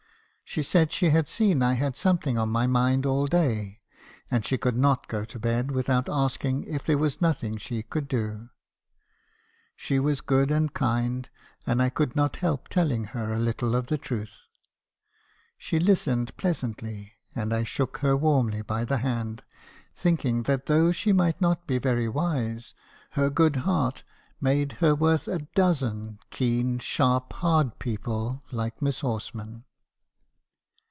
" She said she had seen I had something on my mind all day, and she could not go to bed without asking if there was nothing she could do. She was good and kind; and I could not help telling her a little of the truth. She listened pleasantly ; and I shook her warmly by the hand , thinking that though she might not be very wise, her good heart made her worth a dozen keen, sharp, hard people, like Miss Horsman.